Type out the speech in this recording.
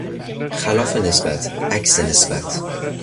خلاف نسبت، عکس نسبت